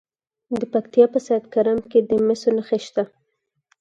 د پکتیا په سید کرم کې د مسو نښې شته.